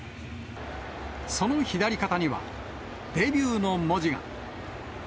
その左肩にはデビューの文字が。